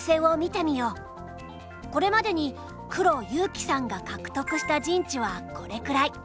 これまでに黒悠生さんが獲得した陣地はこれくらい。